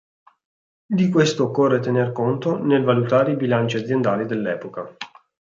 Di questo occorre tener conto nel valutare i bilanci aziendali dell'epoca.